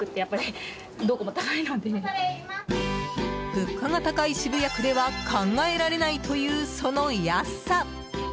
物価が高い渋谷区では考えられないというその安さ！